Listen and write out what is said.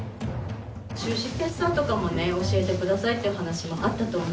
収支決算とかもね教えてくださいっていう話もあったと思うんです。